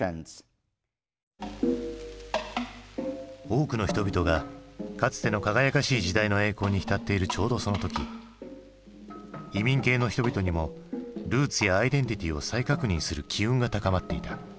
多くの人々がかつての輝かしい時代の栄光に浸っているちょうどその時移民系の人々にもルーツやアイデンティティーを再確認する機運が高まっていた。